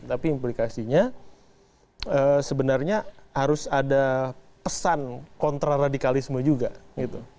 tapi implikasinya sebenarnya harus ada pesan kontraradikalisme juga gitu